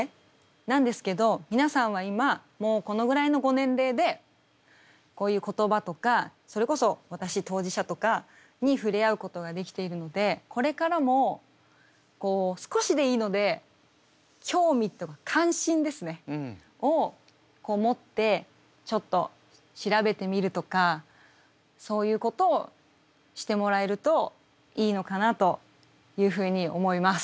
なんですけど皆さんは今もうこのぐらいのご年齢でこういう言葉とかそれこそ私当事者とかに触れ合うことができているのでこれからも少しでいいので興味とか関心を持ってちょっと調べてみるとかそういうことをしてもらえるといいのかなというふうに思います。